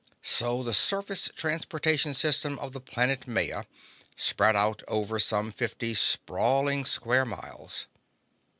So the surface transportation system of the planet Maya spread out over some fifty sprawling square miles.